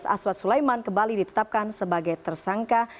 aswad sulaiman kembali ditetapkan sebagai tersangka